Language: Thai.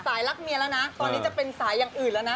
รักเมียแล้วนะตอนนี้จะเป็นสายอย่างอื่นแล้วนะ